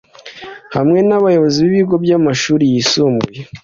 hamwe n’abayobozi b’ibigo by’amashuri yisumbuye